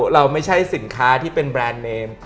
เราไม่ใช่สินค้าที่เป็นแบรนด์เนม